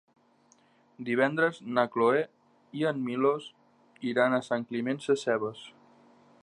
Divendres na Cloè i en Milos iran a Sant Climent Sescebes.